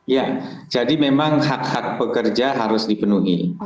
ya jadi memang hak hak pekerja harus dipenuhi